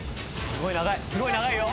すごい長いよ！